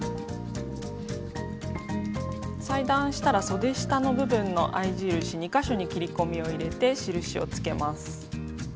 裁断したらそで下の部分の合い印２か所に切り込みを入れて印をつけます。